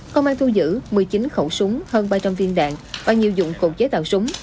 công an thu giữ một mươi chín khẩu súng hơn ba trăm linh viên đạn và nhiều dụng cụ chế tạo súng